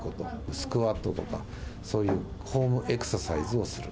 スクワットとか、そういうホームエクササイズをする。